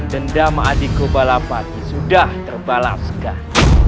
dendam adi kobalapati sudah terbalaskan